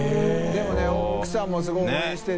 でもね奥さんもすごい応援して。